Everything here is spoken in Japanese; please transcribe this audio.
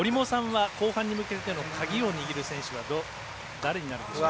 後半に向けての鍵を握る選手は誰になるでしょう？